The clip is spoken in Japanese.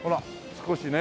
少しね。